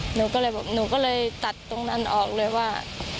หนูก็เลยตัดตรงนั้นออกเลยว่า